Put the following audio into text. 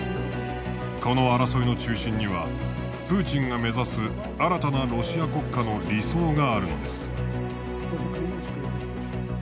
この争いの中心にはプーチンが目指す新たなロシア国家の理想があるのです。